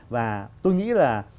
và tôi nghĩ là